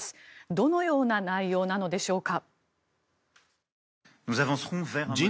どのような内容なのでしょうか。